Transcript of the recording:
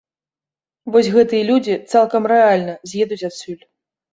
Вось гэтыя людзі, цалкам рэальна, з'едуць адсюль.